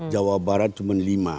jawa barat cuma lima